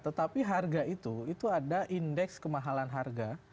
tetapi harga itu itu ada indeks kemahalan harga